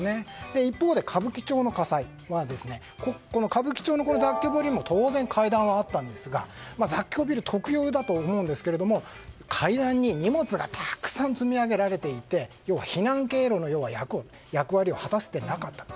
一方で、歌舞伎町の火災は歌舞伎町の雑居ビルにも当然、階段はあったんですが雑居ビル特有だと思うんですけれども階段に荷物がたくさん積み上げられていて避難経路の役割を果たせていなかったと。